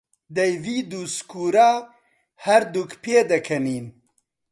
دەیڤد و سکورا هەردووک پێدەکەنین.